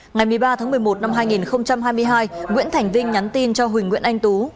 ngày một mươi ba tháng một mươi một năm hai nghìn hai mươi hai nguyễn thành vinh nhắn tin cho huỳnh nguyễn anh tú